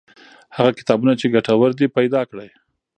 هغه کتابونه چې ګټور دي پیدا کړئ.